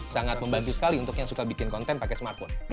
sangat membantu sekali untuk yang suka bikin konten pakai smartphone